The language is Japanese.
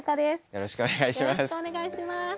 よろしくお願いします。